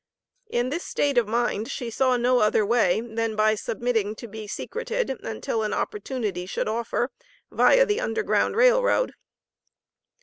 In this state of mind, she saw no other way, than by submitting to be secreted, until an opportunity should offer, via the Underground Rail Road.